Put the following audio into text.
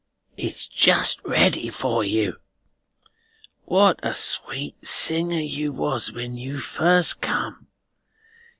"It's just ready for you. What a sweet singer you was when you first come!